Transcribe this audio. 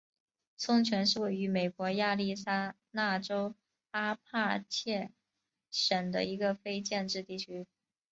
松泉是位于美国亚利桑那州阿帕契县的一个非建制地区。